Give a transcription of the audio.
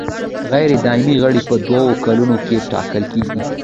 غیر دایمي غړي په دوو کالو کې ټاکل کیږي.